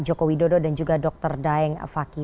joko widodo dan juga dr daeng fakih